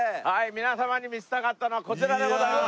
皆様に見せたかったのはこちらでございます。